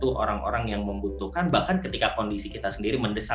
untuk orang orang yang membutuhkan bahkan ketika kondisi kita sendiri mendesak